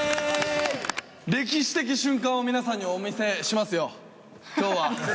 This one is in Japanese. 歴史的瞬間を皆さんにお見せしますよ今日は！